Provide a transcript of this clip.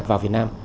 vào việt nam